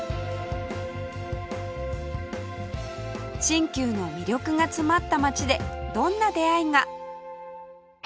新旧の魅力が詰まった街でどんな出会いが？